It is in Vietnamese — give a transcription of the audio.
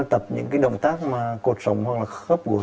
tập những cái động tác mà cuộc sống hoặc là khớp gối